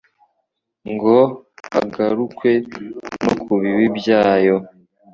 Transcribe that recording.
ngo hagarukwe no kubibi byayo,